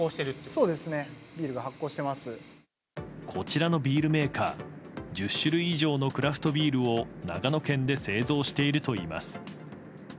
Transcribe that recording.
こちらのビールメーカー１０種類以上のクラフトビールを長野県で製造しているといいます。